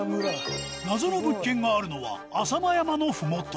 謎の物件があるのは浅間山の麓